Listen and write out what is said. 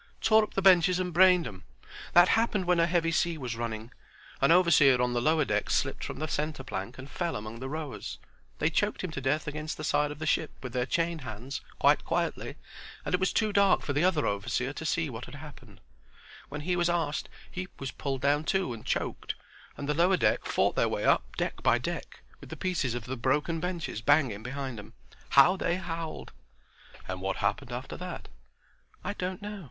"Tore up the benches and brained 'em. That happened when a heavy sea was running. An overseer on the lower deck slipped from the centre plank and fell among the rowers. They choked him to death against the side of the ship with their chained hands quite quietly, and it was too dark for the other overseer to see what had happened. When he asked, he was pulled down too and choked, and the lower deck fought their way up deck by deck, with the pieces of the broken benches banging behind 'em. How they howled!" "And what happened after that?" "I don't know.